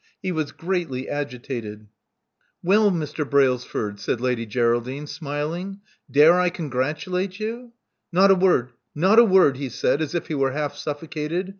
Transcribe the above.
He was greatly agitated. 244 Love Among the Artists '*Well, Mr. Brailsford," said Lady Geraldine, smil ing. *'Dare I congratulate you?" Not a word — not a word," he said, as if he were half suffocated.